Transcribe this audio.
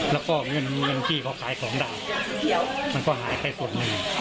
แล้วก็เงินที่เขาขายของได้มันก็หายไปส่วนหนึ่ง